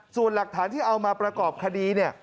ส่วนหลักฐานที่เอามาประกอบคดีเนี่ย